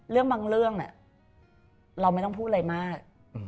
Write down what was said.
เรื่องบางเรื่องเราไม่ต้องพูดอะไรมาก